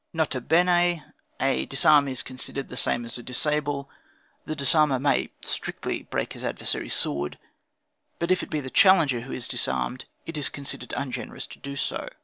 "N.B. A disarm is considered the same as a disable; the disarmer may (strictly) break his adversary's sword; but if it be the challenger who is disarmed, it is considered ungenerous to do so.